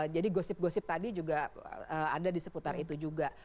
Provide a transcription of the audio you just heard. jadi gosip gosip tadi juga ada di seputar itu juga